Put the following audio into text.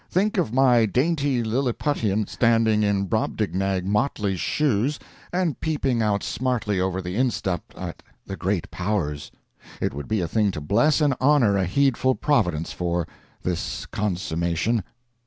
Think of my dainty Lilliputian standing in Brobdingnag Motley's shoes, and peeping out smartly over the instep at the Great Powers. It would be a thing to bless and honor a heedful Providence for—this consummation.